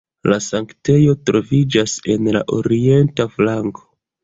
La sanktejo troviĝas en la orienta flanko.